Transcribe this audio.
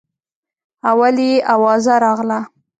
اول یې اوازه راغله.